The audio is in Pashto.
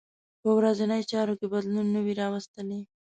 په ورځنۍ چارو کې بدلون نه وي راوستلی.